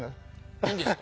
いいんですか？